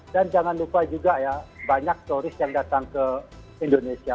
dan jangan lupa juga ya banyak turis yang datang ke indonesia